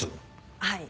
はい。